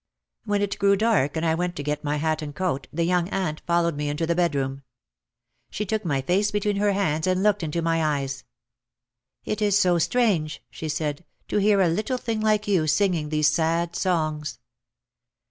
When it grew dark and I went to get my hat and coat the young aunt followed me into the bedroom. She took my face between her hands and looked into my eyes. "It is so strange," she said, "to hear a little thing like you singing these sad songs."